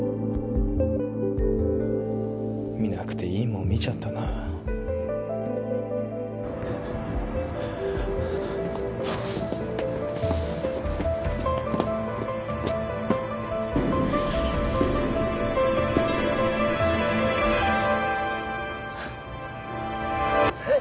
見なくていいもん見ちゃったなえッ？